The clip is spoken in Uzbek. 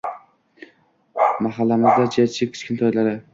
Maxallamizning jajji kichkintoylari